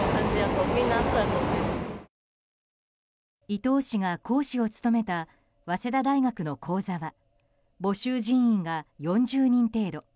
伊東氏が講師を務めた早稲田大学の講座は募集人員が４０人程度。